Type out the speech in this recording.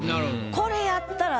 これやったら。